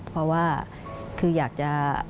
เพราะว่าคืออยากจะ